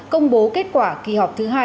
công bố kết quả kỳ họp thứ hai